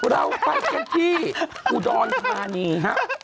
เราไปกันที่อุดอนทานีครับ